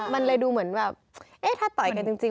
มันเลยดูเหมือนแบบเอ๊ะถ้าต่อยกันจริง